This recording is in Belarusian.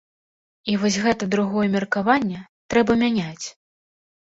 І вось гэта другое меркаванне трэба мяняць.